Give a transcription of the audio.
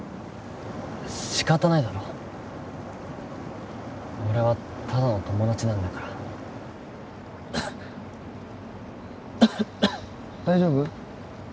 仕方ないだろ俺はただの友達なんだから大丈夫？